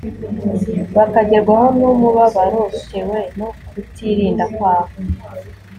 bakagerwaho n'umubabaro bitewe no kutirinda kwabo